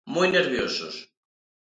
Moi nerviosos.